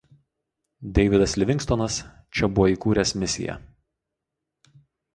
Deividas Livingstonas čia buvo įkūręs misiją.